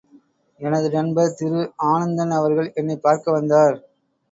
எனது நண்பர் திரு ஆனந்தன் அவர்கள் என்னைப் பார்க்க வந்தார்.